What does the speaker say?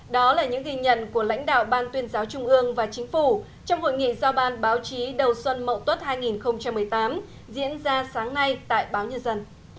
đó là những ghi nhận của lãnh đạo ban tuyên giáo trung ương và chính phủ trong hội nghị giao ban báo chí đầu xuân mậu tuất hai nghìn một mươi tám diễn ra sáng nay tại báo nhân dân